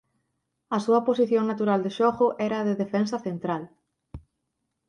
A súa posición natural de xogo era a de defensa central.